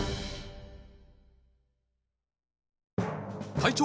隊長！